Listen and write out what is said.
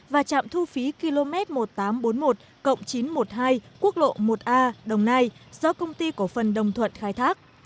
và trạm thu phí km một nghìn tám trăm bốn mươi một chín trăm một mươi hai quốc lộ một a đồng nai do công ty cổ phần đồng thuận khai thác